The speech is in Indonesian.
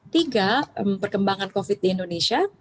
tiga perkembangan covid di indonesia